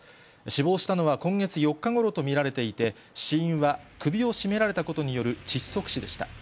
死亡したのは今月４日ごろと見られていて、死因は首を絞められたことによる窒息死でした。